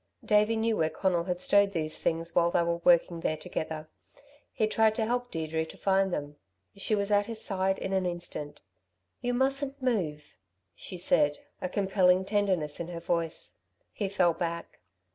Davey knew where Conal had stowed these things while they were working there together. He tried to help Deirdre to find them. She was at his side in an instant. "You mustn't move," she said, a compelling tenderness in her voice. He fell back.